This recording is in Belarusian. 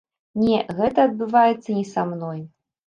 Не, гэта адбываецца не са мной.